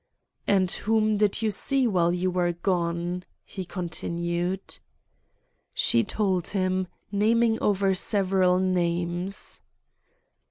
"'And whom did you see while you were gone?' he continued. "She told him, naming over several names.